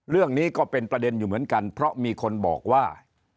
เรื่องนี้ก็เป็นประเด็นอยู่เหมือนกันเพราะมีคนบอกว่า